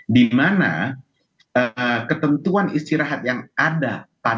di mana ketentuan istirahat yang ada pada regulasi itu belum terlalu lama